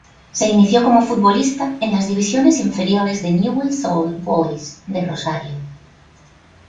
Se inició como futbolista en las divisiones inferiores de Newell's Old Boys de Rosario.